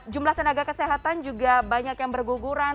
jumlah tenaga kesehatan juga banyak yang berguguran